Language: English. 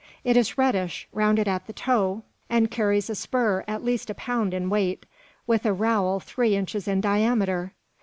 It is reddish, rounded at the toe, and carries a spur at least a pound in weight, with a rowel three inches in diameter!